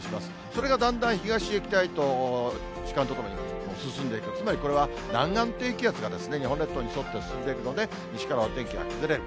それがだんだん東へ北へと時間とともに進んでいく、つまりこれは南岸低気圧が日本列島に沿って進んでいるので、西からお天気が崩れる。